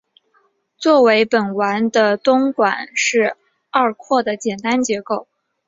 作为本丸的东馆是二廓的简单结构。